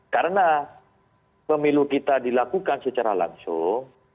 karena pemilu kita dilakukan secara langsung